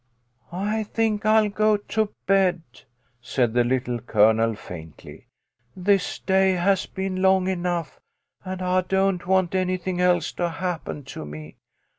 " I think I'll go to bed," said the Little Colonel, faintly. " This day has been long enough, and I don't want anything else to happen to me.